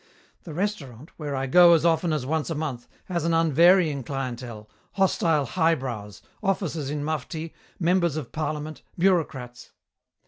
"The restaurant, where I go as often as once a month, has an unvarying clientele, hostile highbrows, officers in mufti, members of Parliament, bureaucrats.